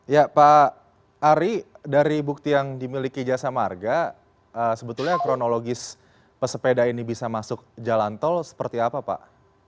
ya pak ari dari bukti yang dimiliki jasa marga sebetulnya kronologis pesepeda ini bisa masuk jalan tol seperti apa pak